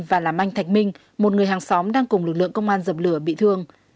và làm anh thạch minh một người hàng xóm đang cùng lực lượng công an dập lửa bị thương